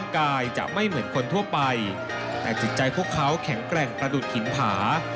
แข็งแกร่งประดูดหินผา